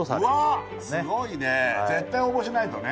うわっすごいね絶対応募しないとね